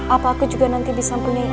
apa aku juga nanti bisa punya